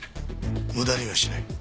無駄にはしない。